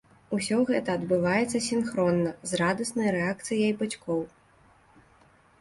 Усё гэта адбываецца сінхронна з радаснай рэакцыяй бацькоў.